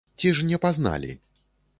Ці ж не пазналі?